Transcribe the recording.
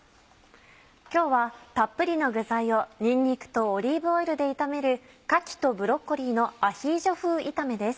今日はたっぷりの具材をにんにくとオリーブオイルで炒める「かきとブロッコリーのアヒージョ風炒め」です。